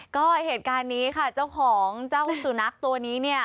ก็เหตุการณ์นี้ค่ะเจ้าของเจ้าสุนัขตัวนี้เนี่ย